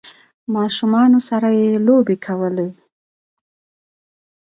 ماشومانو سره یی لوبې کولې